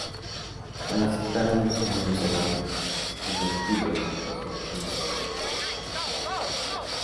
Al aceptar, ambos hermanos serán convertidos en sus versiones malvadas.